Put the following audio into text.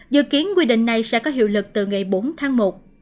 dự kiến quy định này sẽ có hiệu lực từ ngày bốn tháng một